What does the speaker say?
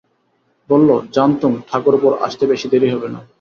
বলল, জানতুম ঠাকুরপোর আসতে বেশি দেরি হবে না।